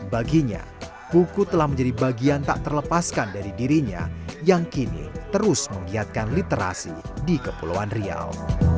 baginya buku telah menjadi bagian tak terlepaskan dari dirinya yang kini terus menggiatkan literasi di kepulauan riau